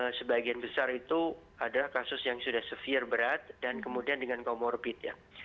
nah kasus kasus yang memang sebagian besar itu adalah kasus yang sudah severe berat dan kemudian dengan comorbid ya